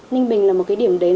ninh bình là một điểm đến